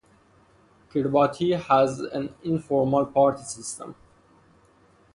Kiribati has an informal party system.